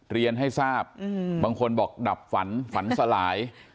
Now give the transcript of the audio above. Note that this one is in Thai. เรียนให้ทราบบางคนบอกดับฝันฝันสลาย